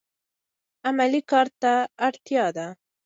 عملي کار ته اړتیا ده.